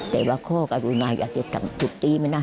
แต่ว่าก็รู้ไงน่ะดูมาที่จะทำทุกตีนะ